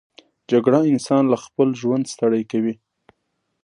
جګړه انسان له خپل ژوند ستړی کوي